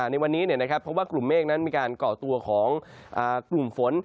ในวันนี้เพราะว่ากลุ่มเมฆนั้นมีการก่อตัวของกลุ่มฝน